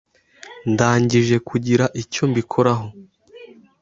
Ndangije kugira icyo mbikoraho.